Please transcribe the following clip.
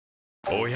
おや？